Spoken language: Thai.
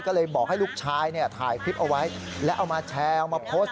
ก็เลยบอกให้ลูกชายเนี่ยถ่ายคลิปเอาไว้แล้วเอามาแชร์เอามาโพสต์